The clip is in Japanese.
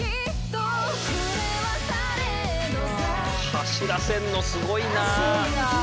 走らせんのすごいなあ。